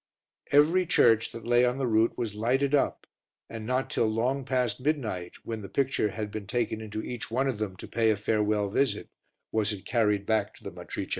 Every church that lay on the route was lighted up and not till long past midnight, when the picture had been taken into each one of them to pay a farewell visit, was it carried back to the Matrice.